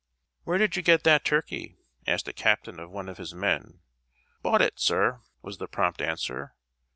"Where did you get that turkey?" asked a captain of one of his men. "Bought it, sir," was the prompt answer.